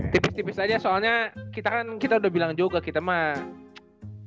tipis tipis aja soalnya kita kan kita udah bilang juga kita mah